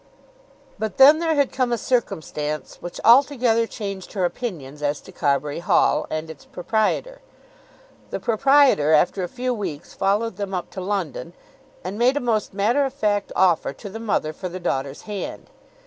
But then there had come a circumstance which altogether changed her opinions as to Carbury Hall, and its proprietor. The proprietor after a few weeks followed them up to London, and made a most matter of fact offer to the mother for the daughter's hand.